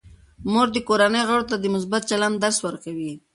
مور د کورنۍ غړو ته د مثبت چلند درس ورکوي.